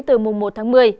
từ mùa một tháng một mươi